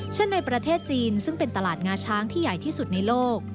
เช่นในประเทศจีนซึ่งเป็นตลาดงาช้างที่ใหญ่ที่สุดในโลก